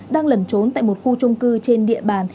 đang lẩn trốn tại một khu trung cư trên địa bàn